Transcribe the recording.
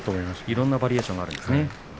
いろんなバリエーションがあるんですね。